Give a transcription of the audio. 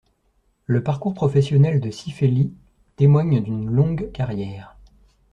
Le parcours professionnel de Cifelli témoigne d'une longue carrière.